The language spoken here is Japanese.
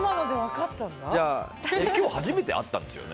今日初めて会ったんですよね？